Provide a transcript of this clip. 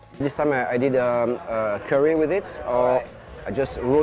kali ini saya membuat kue dengannya atau saya hanya menggoreng buah buahan